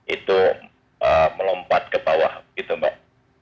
itu melompat ke bawah gitu mbak